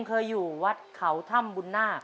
ครับ